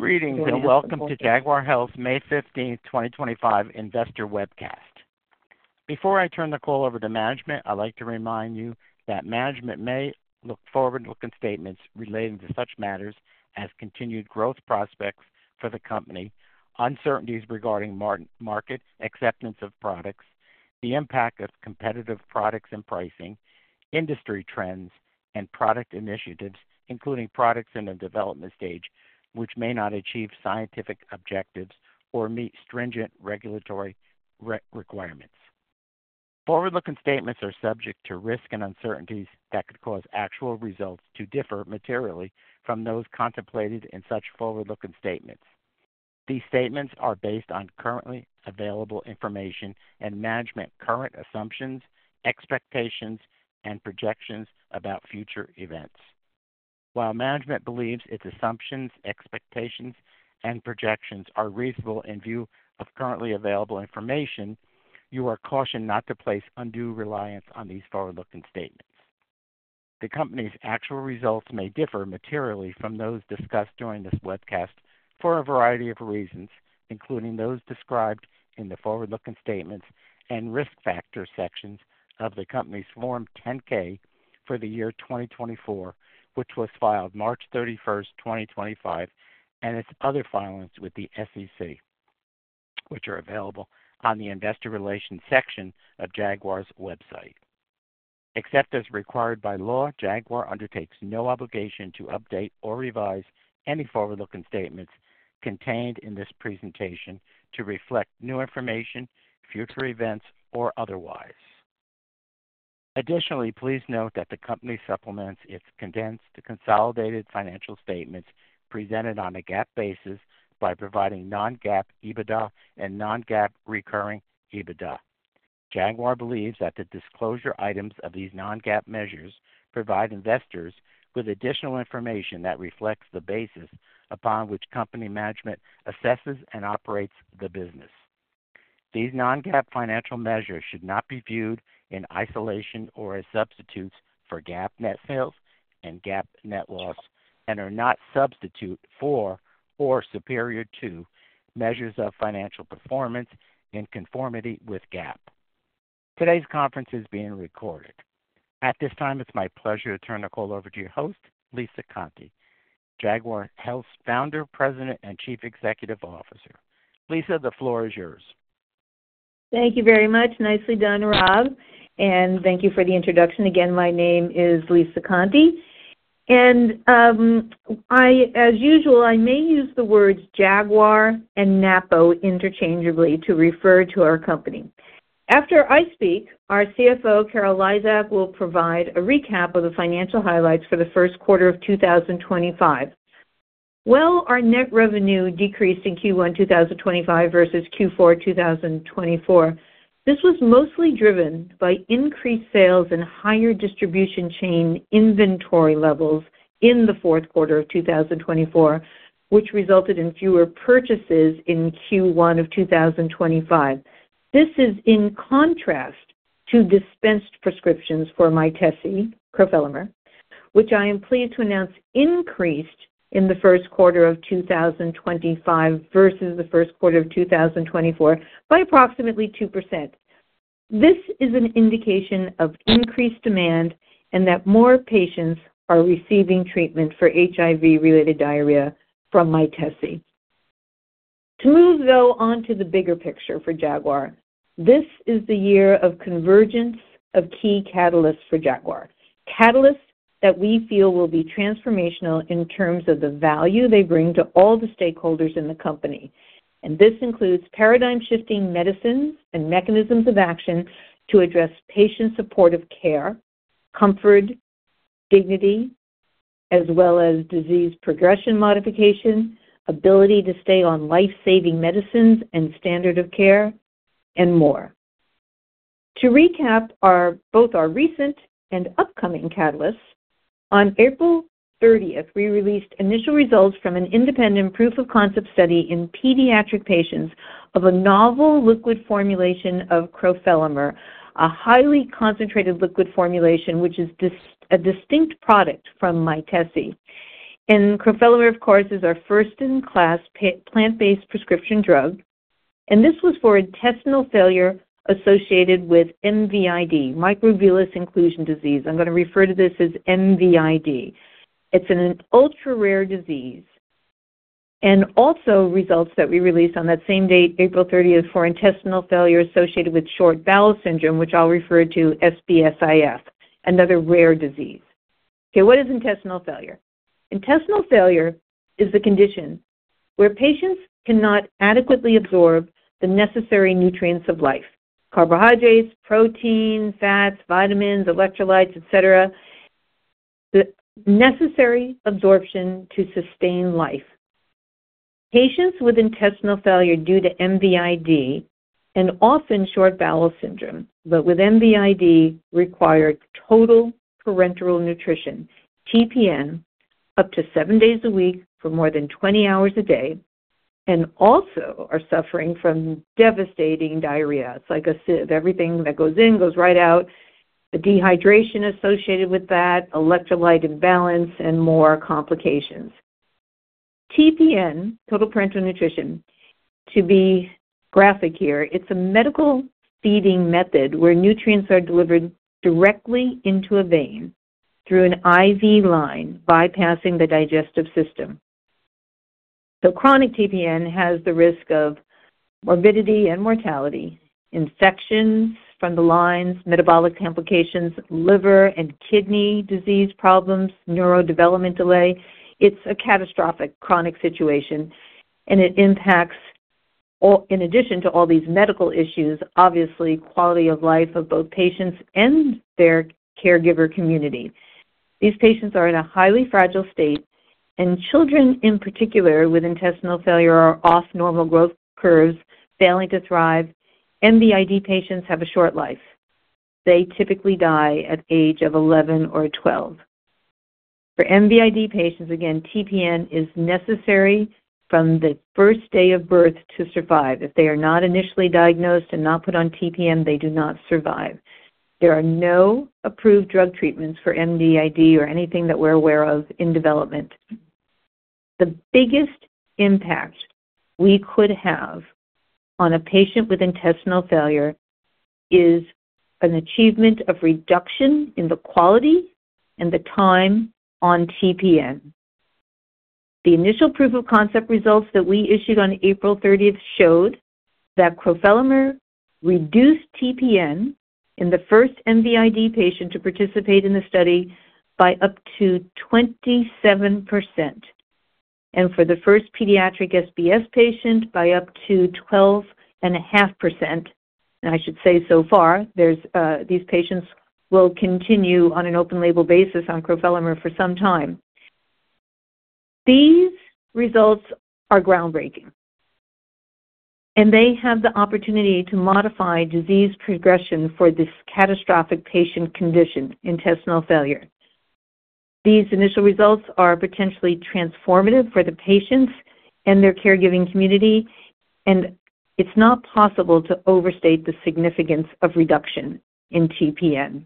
Greetings and welcome to Jaguar Health's May 15, 2025 investor webcast. Before I turn the call over to Management, I'd like to remind you that Management may make forward-looking statements relating to such matters as continued growth, prospects for the Company, uncertainties regarding market acceptance of products, the impact of competitive products and pricing, industry trends and product initiatives, including products in the development stage which may not achieve scientific objectives or meet stringent regulatory requirements. Forward-looking statements are subject to risks and uncertainties that could cause actual results to differ materially from those contemplated in such forward-looking statements. These statements are based on currently available information and Management's current assumptions and expectations and projections about future events. While Management believes its assumptions, expectations and projections are reasonable in view of currently available information, you are cautioned not to place undue reliance on these forward-looking statements. The Company's actual results may differ materially from those discussed during this webcast for a variety of reasons, including those described in the Forward-Looking Statements and Risk Factors sections of the Company's Form 10-K for the year 2024, which was filed March 31, 2025, and its other filings with the SEC, which are available on the Investor Relations section of Jaguar's website. Except as required by law, Jaguar undertakes no obligation to update or revise any forward-looking statements contained in this presentation to reflect new information, future events or otherwise. Additionally, please note that the Company supplements its condensed consolidated financial statements presented on a GAAP basis by providing non-GAAP EBITDA and non-GAAP recurring EBITDA. Jaguar believes that the disclosure items of these non-GAAP measures provide investors with additional information that reflects the basis upon which Company management assesses and operates the business. These non-GAAP financial measures should not be viewed in isolation or as substitutes for GAAP net sales and GAAP net loss and are not substitutes for or superior to measures of financial performance in conformity with GAAP. Today's conference is being recorded. At this time, it's my pleasure to turn the call over to your host, Lisa Conte, Jaguar Health's Founder, President and Chief Executive Officer. Lisa, the floor is yours. Thank you very much. Nicely done, Rob, and thank you for the introduction. Again, my name is Lisa Conte and as usual I may use the words Jaguar and Napo interchangeably to refer to our company. After I speak, our CFO, Carol Lizak, will provide a recap of the financial highlights for the First Quarter of 2025. While our net revenue decreased in Q1 2025 versus Q4 2024, this was mostly driven by increased sales and higher distribution chain inventory levels in the Fourth Quarter of 2024 which resulted in fewer purchases in Q1 of 2025. This is in contrast to dispensed prescriptions for Mytesi, which I am pleased to announce increased in the First Quarter of 2025 versus the First Quarter of 2024 by approximately 2%. This is an indication of increased demand and that more patients are receiving treatment for HIV-related diarrhea from Mytesi. To move though onto the bigger picture for Jaguar, this is the year of convergence of key catalysts for Jaguar, catalysts that we feel will be transformational in terms of the value they bring to all the stakeholders in the company and this includes paradigm shifting medicines and mechanisms of action to address patient supportive care, comfort, dignity as well as disease progression, modification, ability to stay on life saving medicines and standard of care and more. To recap both our recent and upcoming catalysts, on April 30th we released initial results from an independent proof of concept study in pediatric patients of a novel liquid formulation of crofelemer, a highly concentrated liquid formulation which is distributed, a distinct product from Mytesi, and crofelemer of course is our first-in-class plant-based prescription drug and this was for intestinal failure associated with MVID, microvillus inclusion disease. I'm going to refer to this as MVID. It's an ultra-rare disease and also results that we released on that same date, April 30, for intestinal failure associated with short bowel syndrome, which I'll refer to as SBSIF, another rare disease. What is intestinal failure? Intestinal failure is the condition where patients cannot adequately absorb the necessary nutrients of life—carbohydrates, protein, fats, vitamins, electrolytes, et cetera. The necessary absorption to sustain life. Patients with intestinal failure due to MVID and often short bowel syndrome, but with MVID, require total parenteral nutrition, TPN, up to seven days a week for more than 20 hours a day and also are suffering from devastating diarrhea. It's like a sieve. Everything that goes in goes right out. The dehydration associated with that, electrolyte imbalance, and more complications. TPN, total parenteral nutrition, to be graphic here. It's a medical feeding method where nutrients are delivered directly into a vein through an IV line, bypassing the digestive system. Chronic TPN has the risk of morbidity and mortality, infections from the lines, metabolic complications, liver and kidney disease problems, neurodevelopment delay. It's a catastrophic chronic situation and it impacts, in addition to all these medical issues, obviously quality of life of both patients and their caregiver community. These patients are in a highly fragile state and children in particular with intestinal failure are off normal growth curves, failing to thrive. MVID patients have a short life. They typically die at age 11 or 12. For MVID patients, again, TPN is necessary from the first day of birth to survive. If they are not initially diagnosed and not put on TPN, they do not survive. There are no approved drug treatments for MVID or anything that we're aware of in development. The biggest impact we could have on a patient with intestinal failure is an achievement of reduction in the quality and the time on TPN. The initial proof of concept results that we issued on April 30th showed that crofelemer reduced TPN in the first MVID patient to participate in the study by up to 27% and for the first pediatric SBS patient by up to 12.5%. I should say so far these patients will continue on an open label basis on crofelemer for some time. These results are groundbreaking and they have the opportunity to modify disease progression for this catastrophic patient condition, intestinal failure. These initial results are potentially transformative for the patients and their caregiving community and it's not possible to overstate the significance of reduction in TPN.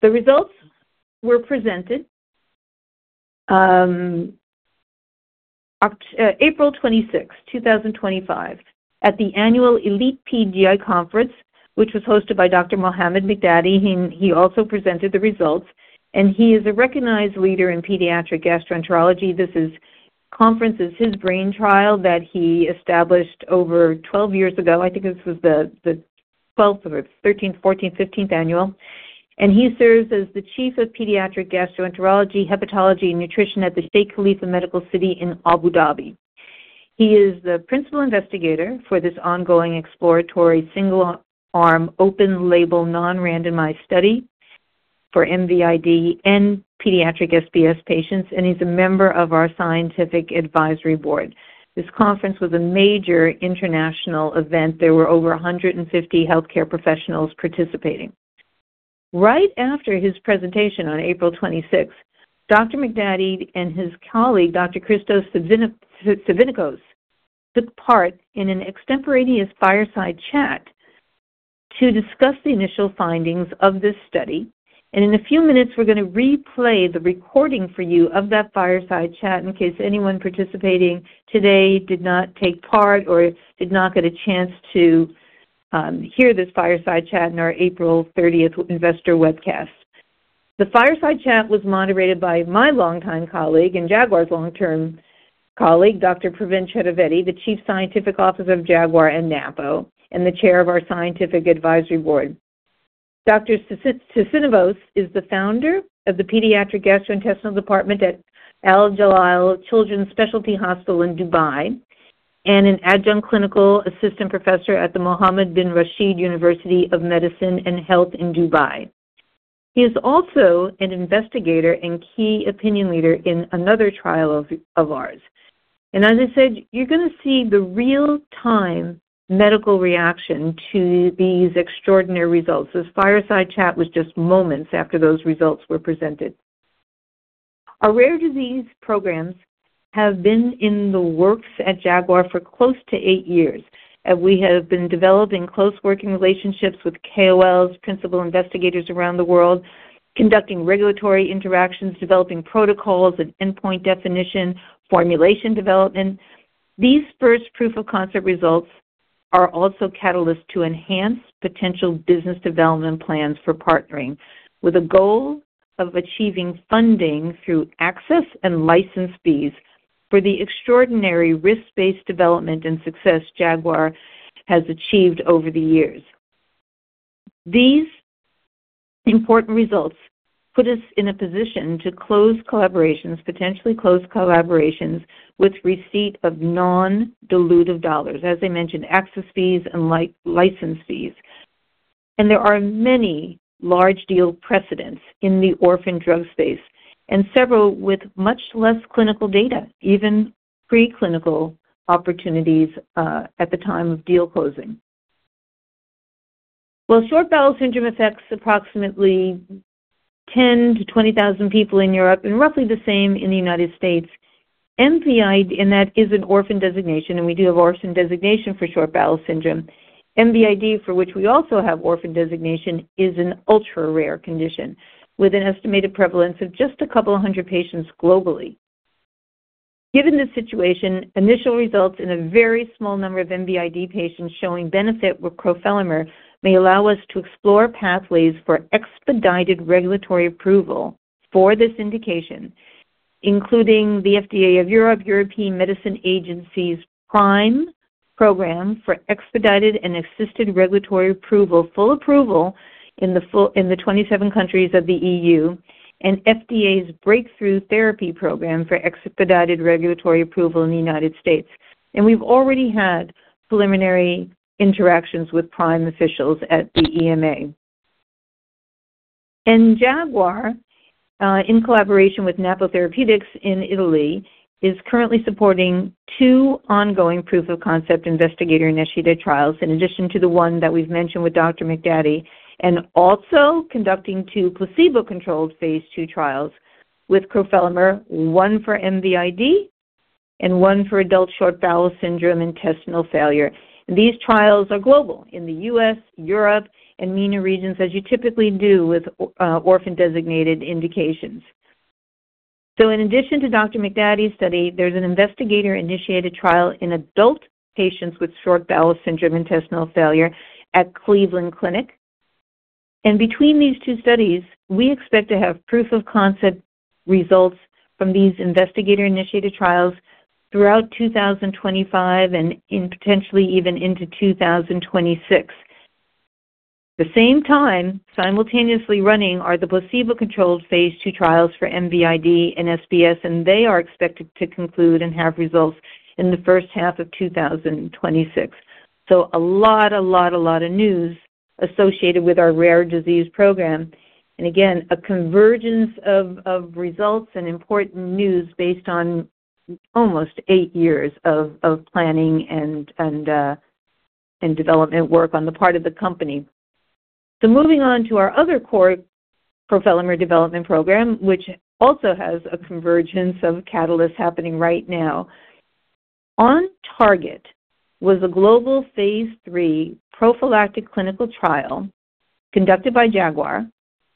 The results were presented April 26, 2025 at the annual Elite PGI Conference which was hosted by Dr. Mohamed Migdady. He also presented the results and he is a recognized leader in pediatric gastroenterology. This conference is his brainchild that he established over 12 years ago. I think this was the 12th, 13th, 14th, 15th annual and he serves as the Chief of Pediatric Gastroenterology, Hepatology and Nutrition at the Sheikh Khalifa Medical City in Abu Dhabi. He is the principal investigator for this ongoing exploratory single arm, open label, non randomized study for MVID and pediatric SBS patients and he's a member of our Scientific Advisory Board. This conference was a major international event. There were over 150 healthcare professionals participating. Right after his presentation on April 26, Dr. Migdady and his colleague Dr. Christos Savinikos took part in an extemporaneous Fireside Chat to discuss the initial findings of this study and in a few minutes we're going to replay the recording for you of that Fireside Chat in case anyone participating today did not take part or did not get a chance to hear this Fireside Chat in our April 30th investor webcast. The Fireside Chat was moderated by my longtime colleague and Jaguar's long term colleague, Dr. Praveen Chettavelli, the Chief Scientific Officer of Jaguar and Napo and the Chair of our scientific advisory board. Dr. Savinikos is the founder of the Pediatric Gastrointestinal Department at Al Jalila Children's Specialty Hospital in Dubai and an Adjunct Clinical Assistant Professor at the Mohammed Bin Rashid University of Medicine and Health in Dubai. He is also an investigator and key opinion leader in another trial of ours and as I said, you're going to see the real time medical reaction to these extraordinary results. This fireside chat was just moments after those results were presented. Our rare disease programs have been in the works at Jaguar for close to eight years. We have been developing close working relationships with KOLs, principal investigators around the world, conducting regulatory interactions, developing protocols and endpoint definition, formulation development. These first proof of concept results are also catalysts to enhance potential business development plans for partnering with a goal of achieving funding through access and license fees for the extraordinary risk based development and success Jaguar has achieved over the years. These important results put us in a position to close collaborations, potentially closed collaborations with receipt of non dilutive dollars. As I mentioned, access fees and license fees and there are many large deal precedents in the orphan drug space and several with much less clinical data, even preclinical opportunities at the time of deal closing. While short bowel syndrome affects approximately 10,000-20,000 people in Europe and roughly the same in the United States, MVID, and that is an orphan designation and we do have orphan designation for short bowel syndrome and MVID for which we also have orphan designation, is an ultra rare condition with an estimated prevalence of just a couple hundred patients globally. Given this situation, initial results in a very small number of MVID patients showing benefit with crofelemer may allow us to explore pathways for expedited regulatory approval for this indication, including the FDA of Europe, European Medicines Agency's PRIME Program for expedited and assisted regulatory approval, full approval in the 27 countries of the EU, and FDA's Breakthrough Therapy Program for expedited regulatory approval in the United States. We have already had preliminary interactions with PRIME officials at the EMA, and Jaguar, in collaboration with Napo Therapeutics in Italy, is currently supporting two ongoing proof of concept investigator-initiated trials in addition to the one that we've mentioned with Dr. Migdady, and also conducting two placebo-controlled phase 2 trials with crofelemer, one for MVID and one for adult short bowel syndrome intestinal failure. These trials are global in the U.S., Europe, and MENA regions as you typically do with orphan designated indications. In addition to Dr. Migdady's study, there's an investigator-initiated trial in adult patients with short bowel syndrome intestinal failure at Cleveland Clinic, and between these two studies we expect to have proof of concept results from these investigator-initiated trials throughout 2025 and potentially even into 2026. At the same time, simultaneously running are the placebo-controlled phase 2 trials for MVID and SBSIF, which are expected to conclude and have results in the first half of 2026. A lot of news is associated with our rare disease program and again a convergence of results and important news based on almost eight years of planning and development work on the part of the company. Moving on to our other core profile MER development program which also has a convergence of catalysts happening right now. On Target was a global phase 3 prophylactic clinical trial conducted by Jaguar,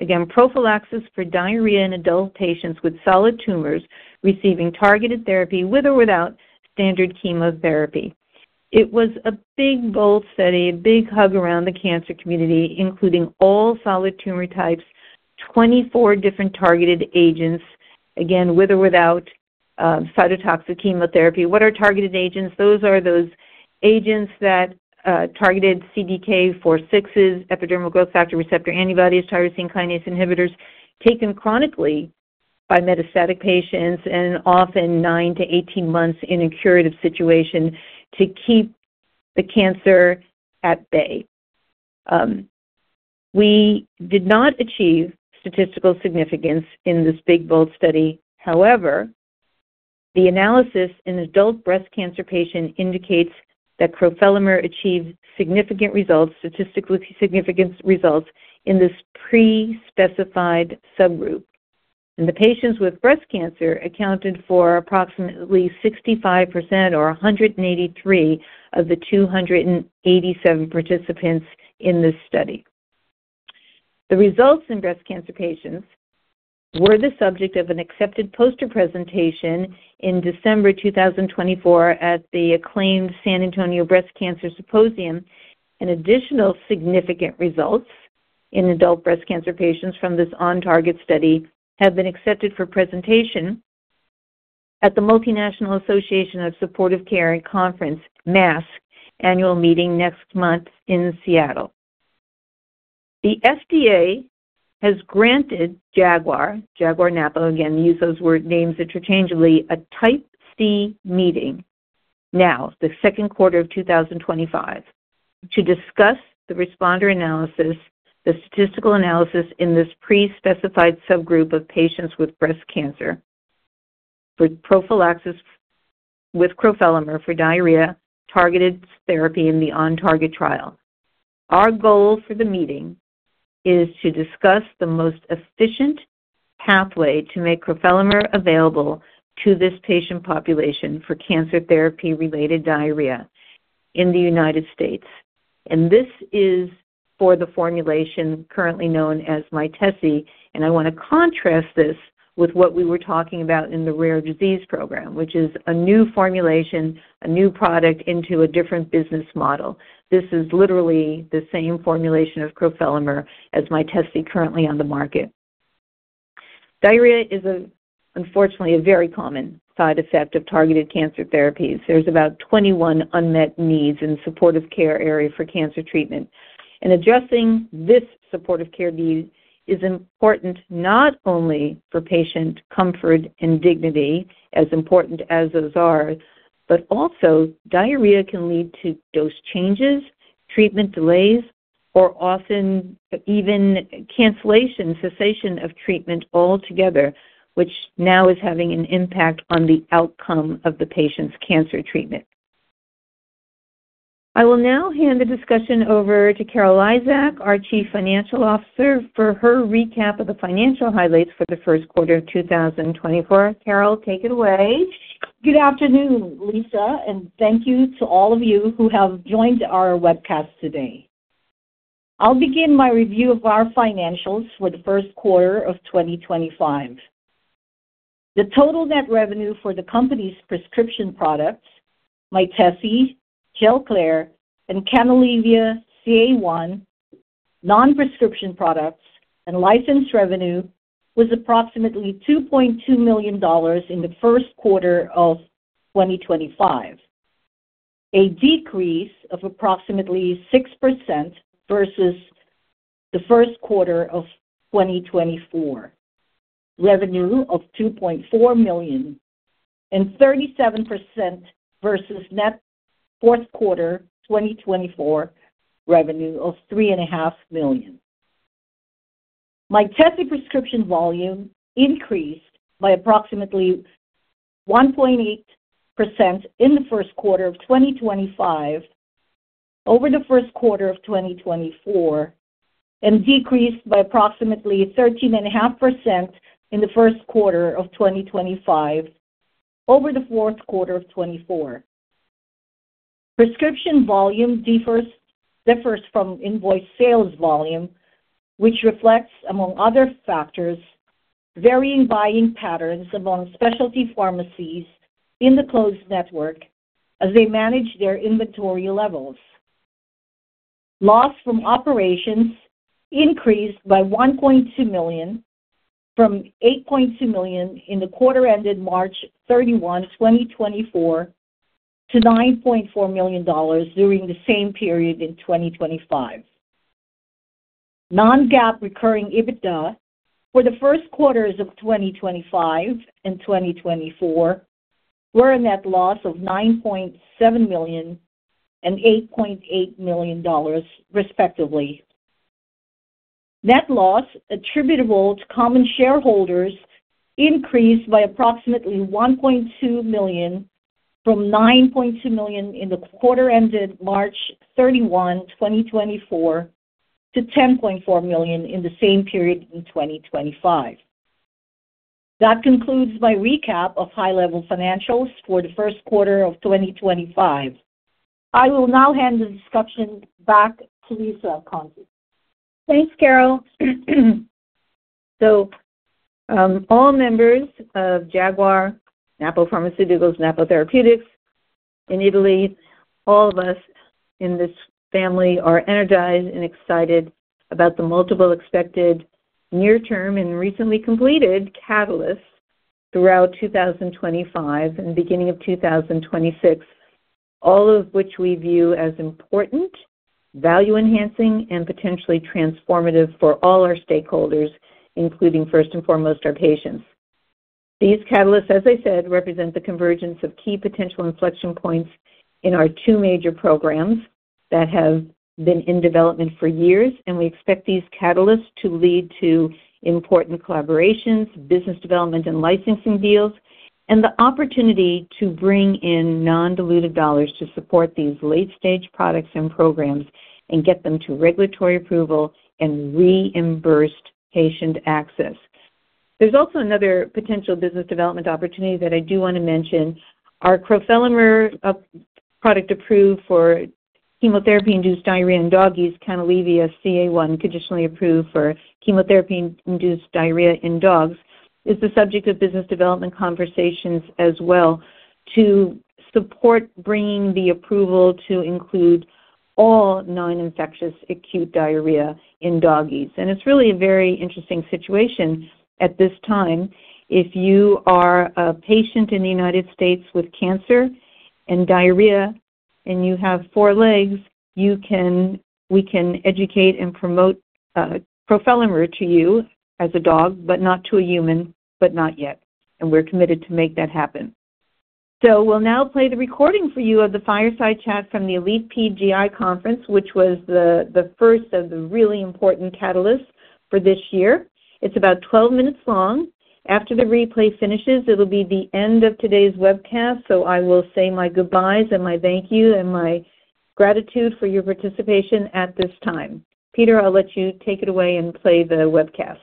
again prophylaxis for diarrhea in adult patients with solid tumors receiving targeted therapy with or without standard chemotherapy. It was a big bold study, a big hug around the cancer community including all solid tumor types, 24 different targeted agents, again with or without cytotoxic chemotherapy. What are targeted agents? Those are those agents that target CDK4/6s, epidermal growth factor receptor antibodies, tyrosine kinase inhibitors taken chronically by metastatic patients and often nine to 18 months in a curative situation to keep the cancer at bay. We did not achieve statistical significance in this big bold study. However, the analysis in adult breast cancer patients indicates that crofelemer achieved significant results. Statistically significant results in this pre specified subgroup and the patients with breast cancer accounted for approximately 65% or 183 of the 287 participants in this study. The results in breast cancer patients were the subject of an accepted poster presentation in December 2024 at the acclaimed San Antonio Breast Cancer Symposium and additional significant results in adult breast cancer patients from this on target study have been accepted for presentation at the Multinational Association of Supportive Care in Cancer Annual Meeting next month in Seattle. The FDA has granted Jaguar, Jaguar, Napo—again, use those word names interchangeably—a type C meeting now the second quarter of 2025 to discuss the responder analysis. The statistical analysis in this pre specified subgroup of patients with breast cancer for prophylaxis with crofelemer for diarrhea targeted therapy in the on target trial. Our goal for the meeting is to discuss the most efficient pathway to make crofelemer available to this patient population for cancer therapy related diarrhea in the United States. This is for the formulation currently known as Mytesi and I want to contrast this with what we were talking about in the Rare Disease Program, which is a new formulation, a new product into a different business model. This is literally the same formulation of crofelemer as Mytesi currently on the market. Diarrhea is unfortunately a very common side effect of targeted cancer therapies. There's about 21 unmet needs in supportive care area for cancer treatment and addressing this supportive care need is important not only for patient comfort and dignity, as important as those are, but also diarrhea can lead to dose changes, treatment delays or often even cancellation cessation of treatment altogether, which now is having an impact on the outcome of the patient's cancer treatment. I will now hand the discussion over to Carol Lizak, our Chief Financial Officer, for her recap of the financial highlights for the first quarter of 2024. Carol, take it away. Good afternoon Lisa, and thank you to all of you who have joined our webcast. Today I'll begin my review of our financials for the First Quarter of 2025. The total net revenue for the company's prescription products, Mytesi, Gelclair, and Canalevia-CA1, non-prescription products, and license revenue was approximately $2.2 million in the First Quarter of 2025, a decrease of approximately 6% versus the First Quarter of 2024. Revenue of $2.4 million and 37% versus net Fourth Quarter 2024 revenue of $3.5 million. Mytesi prescription volume increased by approximately 1.8% in the First Quarter of 2025 over the First Quarter of 2024 and decreased by approximately 13.5% in the First Quarter of 2025 over the Fourth Quarter of 2024. Prescription volume differs from invoice sales volume, which reflects, among other factors, varying buying patterns among specialty pharmacies in the closed network as they manage their inventory levels. Loss from operations increased by $1.2 million from $8.2 million in the Quarter Ended March 31, 2024 to $9.4 million during the same period in 2025. Non-GAAP recurring EBITDA for the first quarters of 2025 and 2024 were a net loss of $9.7 million and $8.8 million, respectively. Net loss attributable to common shareholders increased by approximately $1.2 million from $9.2 million in the Quarter Ended March 31, 2024 to $10.4 million in the same period in 2025. That concludes my recap of high-level financials for the first quarter of 2025. I will now hand the discussion back to Lisa Conte. Thanks Carol. All members of Jaguar, Napo Pharmaceuticals, Napo Therapeutics in Italy, all of us in this family are energized and excited about the multiple expected near-term and recently completed catalysts throughout 2025 and the beginning of 2026, all of which we view as important, value-enhancing, and potentially transformative for all our stakeholders, including first and foremost our patients. These catalysts, as I said, represent the convergence of key potential inflection points in our two major programs that have been in development for years and we expect these catalysts to lead to important collaborations, business development and licensing deals and the opportunity to bring in non-dilutive dollars to support these late stage products and programs and get them to regulatory approval and reimbursed patient access. There is also another potential business development opportunity that I do want to mention. Our crofelemer product approved for chemotherapy-induced diarrhea in doggies, Canalevia-CA1, conditionally approved for chemotherapy-induced diarrhea in dogs, is the subject of business development conversations as well to support bringing the approval to include all non-infectious acute diarrhea in doggies. It is really a very interesting situation at this time. If you are a patient in the United States with cancer and diarrhea and you have four legs, we can educate and promote crofelemer to you as a dog, but not to a human. Not yet. We are committed to make that happen. We will now play the recording for you of the fireside chat from the Elite PGI Conference, which was the first of the really important catalysts for this year. It is about 12 minutes long. After the replay finishes, it will be the end of today's webcast. I will say my goodbyes and my thank you and my gratitude for your participation at this time. Peter, I will let you take it away and play the webcast.